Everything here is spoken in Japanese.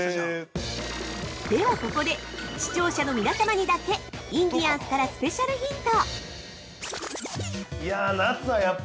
◆ではここで、視聴者の皆様にだけ、インディアンスからスペシャルヒント！